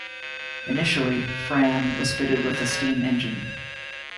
Initially, "Fram" was fitted with a steam engine.